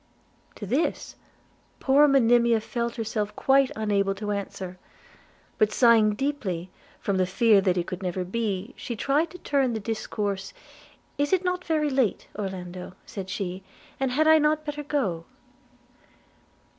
To this poor Monimia felt herself quite unable to answer; but sighing deeply, from the fear that it could never be, she tried to turn the discourse: 'Is it not very late, Orlando,' said she, 'and had I not better go?'